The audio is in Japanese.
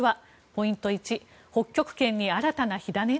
ポイント１北極圏に新たな火種？